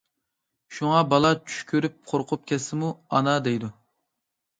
شۇڭا بالا چۈش كۆرۈپ قورقۇپ كەتسىمۇ‹‹ ئانا›› دەيدۇ.